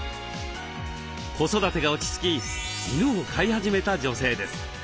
子育てが落ち着き犬を飼い始めた女性です。